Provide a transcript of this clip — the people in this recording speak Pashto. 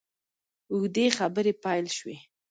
اوږدې خبرې پیل شوې.